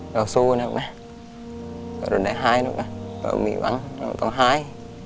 เราสู้นะครับนะเราจะได้หายนะเรามีหวังเราต้องหาย